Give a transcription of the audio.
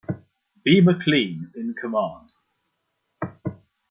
B. McLean in command.